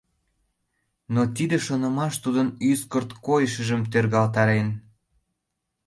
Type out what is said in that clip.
Но тиде шонымаш тудын ӱскырт койышыжым тӧргалтарен...